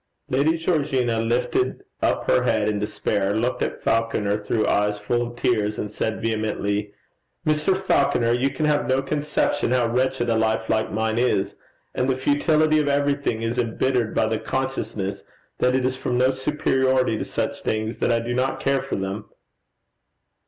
Lady Georgina lifted up her head in despair, looked at Falconer through eyes full of tears, and said vehemently, 'Mr. Falconer, you can have no conception how wretched a life like mine is. And the futility of everything is embittered by the consciousness that it is from no superiority to such things that I do not care for them.'